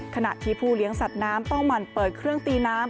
ขณะที่ผู้เลี้ยงสัตว์น้ำต้องหมั่นเปิดเครื่องตีน้ำ